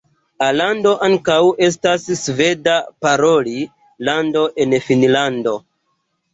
Alando ankaŭ estas Sveda-paroli lando en Finnlando.